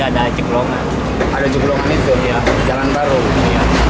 ada ciklongan itu jalan baru